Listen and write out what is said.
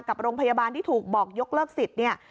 กับโรงพยาบาลที่ถูกบอกยกเลิกสิทธิ์เนี่ย